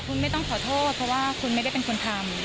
คุณไม่ต้องขอโทษเพราะว่าคุณไม่ได้เป็นคนทำ